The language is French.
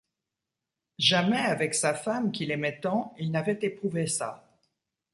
Jamais avec sa femme, qu’il aimait tant, il n’avait éprouvé ça.